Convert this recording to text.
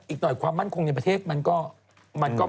อีกหน่อยความมั่นคงในประเทศมันก็